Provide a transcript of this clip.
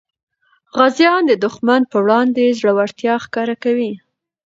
غازیان د دښمن په وړاندې زړورتیا ښکاره کوي.